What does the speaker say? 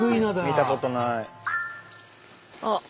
見たことない。